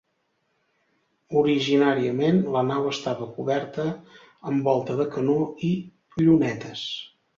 Originàriament, la nau estava coberta amb volta de canó i llunetes.